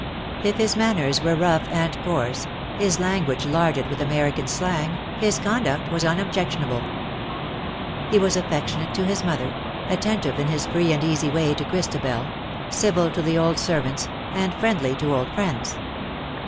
If his manners were rough and coarse, his language larded with American slang, his conduct was unobjection able. He was affectionate to his mother, attentive in his free and easy way to Christabel, civil to the old servants, and friendly to old friends.